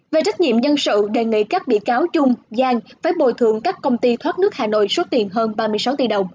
về trách nhiệm nhân sự đề nghị các bị cáo trung giang phải bồi thượng các công ty thoát nước hà nội suốt tiền hơn ba mươi sáu tỷ đồng